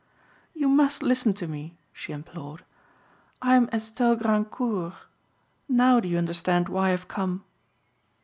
"You must listen to me," she implored, "I'm Estelle Grandcourt. Now do you understand why I've come?"